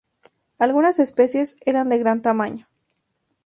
Algunas especies eran de gran tamaño.